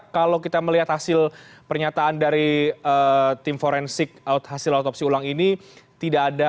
kalau kita melihat hasil pernyataan dari tim forensik out hasil otopsi ulang ini tidak ada